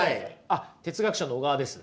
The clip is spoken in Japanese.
あっ哲学者の小川です。